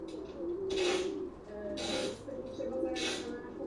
Studenti jsou zatýkáni a svévolně odsuzováni, stejně jako mnozí jiní.